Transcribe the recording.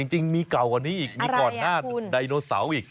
แต่จริงมีเก่ากันนี้อีกมีก่อนหน้าดึกดำบานรูปไดโนเสาอีก